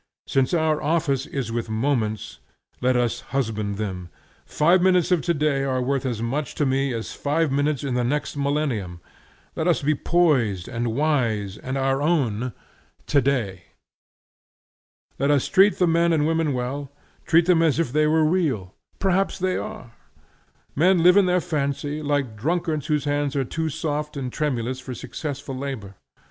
Since our office is with moments, let us husband them. Five minutes of today are worth as much to me as five minutes in the next millennium. Let us be poised, and wise, and our own, today. Let us treat the men and women well; treat them as if they were real; perhaps they are. Men live in their fancy, like drunkards whose hands are too soft and tremulous for successful labor.